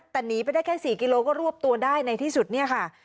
แต่หนีไปได้แค่๔กิโลก็รวบตัวได้ในที่สุดเนี่ยค่ะ